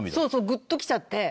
グッときちゃって。